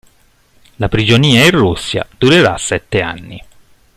La prigionia in Russia durerà sette anni.